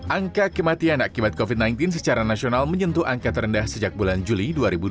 angka kematian akibat covid sembilan belas secara nasional menyentuh angka terendah sejak bulan juli dua ribu dua puluh